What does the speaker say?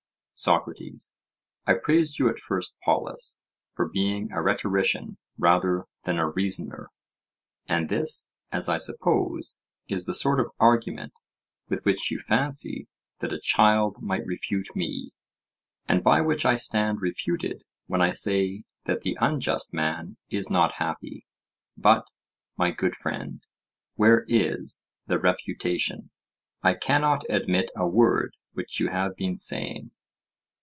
SOCRATES: I praised you at first, Polus, for being a rhetorician rather than a reasoner. And this, as I suppose, is the sort of argument with which you fancy that a child might refute me, and by which I stand refuted when I say that the unjust man is not happy. But, my good friend, where is the refutation? I cannot admit a word which you have been saying.